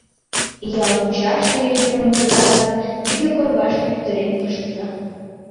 Ял мучаште ӱдырым ужыда гын, вигак орвашке пӱтырен пыштыза.